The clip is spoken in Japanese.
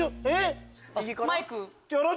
マイク。